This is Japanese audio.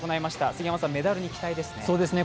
杉山さん、メダルに期待ですね。